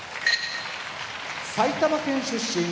埼玉県出身